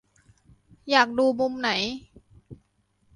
อยากดูมุมไหน